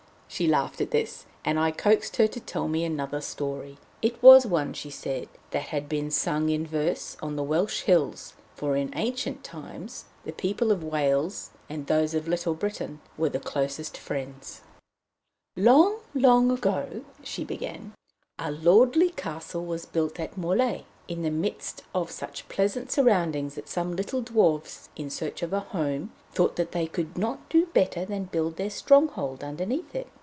She laughed at this, and I coaxed her to tell me another story. It was one, she said, that had been sung in verse on the Welsh hills, for in ancient times the people of Wales and those of "Little Britain" were the closest friends. The Wee Men of Morlaix "Long, long ago," she began, "a lordly castle was built at Morlaix, in the midst of such pleasant surroundings that some little Dwarfs in search of a home thought that they could not do better than build their stronghold underneath it.